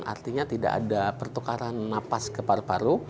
artinya tidak ada pertukaran napas ke paru paru